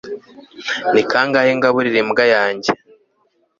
ni kangahe ngaburira imbwa yanjye